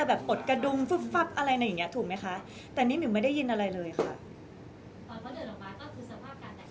แล้วเข้าห้องน้ำมาถึงไม่มีการถอดของเกณฑ์หรือไม่มีอะไรออกมาเลยใช่ไหม